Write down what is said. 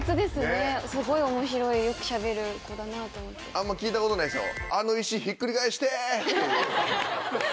あんま聞いたことないでしょ。